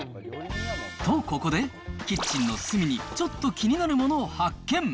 と、ここで、キッチンの隅に、ちょっと気になるものを発見。